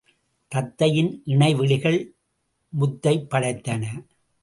தத்தையின் இணைவிழிகள் முத்தைப் படைத்தன.